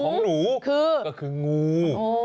โอ้งูน่ากลัว